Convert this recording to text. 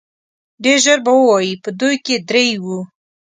ډېر ژر به ووايي په دوی کې درې وو.